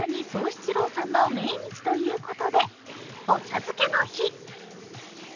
七郎さんの命日ということで、お茶漬けの日。